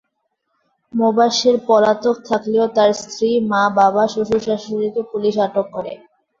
মোবাশ্বের পলাতক থাকলেও তাঁর স্ত্রী, মা, বাবা, শ্বশুর-শাশুড়িকে পুলিশ আটক করে।